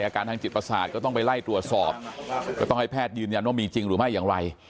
อาการทางจิตประสาทก็ต้องไปไล่ตรวจสอบก็ต้องให้แพทย์ยืนยันว่ามีจริงหรือไม่อย่างไร